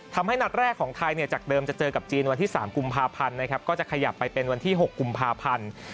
นัดแรกของไทยจากเดิมจะเจอกับจีนวันที่๓กุมภาพันธ์นะครับก็จะขยับไปเป็นวันที่๖กุมภาพันธ์